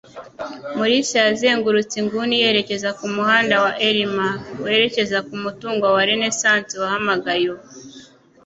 Mulisa yazengurutse inguni yerekeza ku muhanda wa Elm werekeza ku mutungo wa Renaissance wahamagaye ubu.